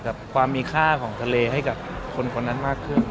กับความมีค่าของทะเลให้กับคนคนนั้นมากขึ้น